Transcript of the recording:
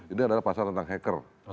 ini adalah pasal tentang hacker